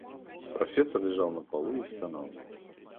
Профессор лежал на полу и стонал.